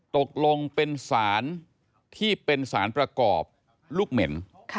ตกลงเป็นสารที่เป็นสารประกอบลูกเหม็น